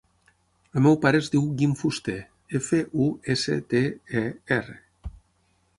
El meu pare es diu Guim Fuster: efa, u, essa, te, e, erra.